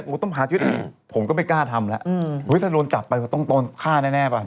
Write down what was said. ผมต้องมาหาชีวิตอื่น